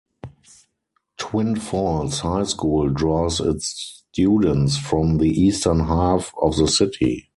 Twin Falls High School draws its students from the eastern half of the city.